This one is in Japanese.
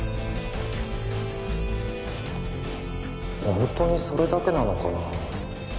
ホントにそれだけなのかな？